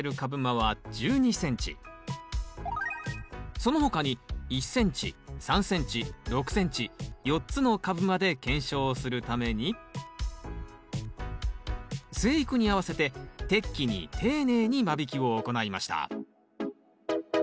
その他に１ｃｍ３ｃｍ６ｃｍ４つの株間で検証をするために生育に合わせて適期に丁寧に間引きを行いました。